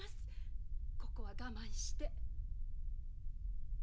ここは我慢して。